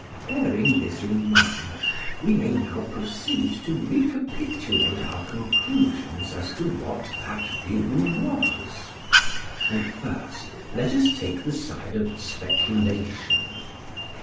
Bearing this in mind we may now proceed to recapitulate our conclusions as to what that view was. And, first, let us take the side of speculation.